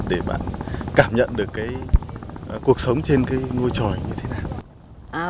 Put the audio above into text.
để bạn cảm nhận được cuộc sống trên cái ngôi tròi như thế nào